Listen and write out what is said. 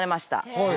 はい。